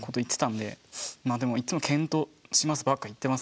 でもいつも検討しますばっか言ってますけど。